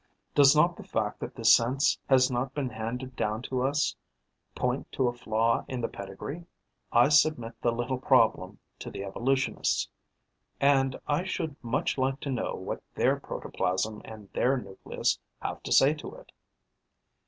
Does not the fact that this sense has not been handed down to us point to a flaw in the pedigree? I submit the little problem to the evolutionists; and I should much like to know what their protoplasm and their nucleus have to say to it.